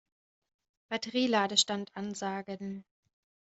Batterie-Ladestand ansagen.